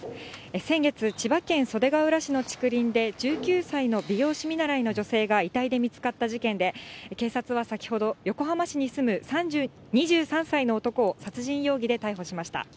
先月、千葉県袖ケ浦市の竹林で、１９歳の美容師見習いの女性が遺体で見つかった事件で、警察は先ほど、横浜市に住む２３歳の男を殺人容疑で逮捕しました。